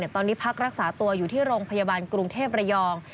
ตอนนี้พักรักษาตัวอยู่ที่โรงพยาบาลกรุงเทพระยอง